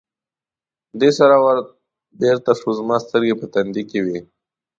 دې سره ور بېرته شو، زما سترګې په تندي کې وې.